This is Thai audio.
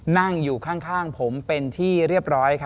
นั่งอยู่ข้างผมเป็นที่เรียบร้อย